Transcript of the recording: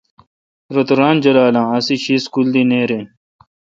روتہ ران جولال اؘ اسی شی سکول دی نیر این۔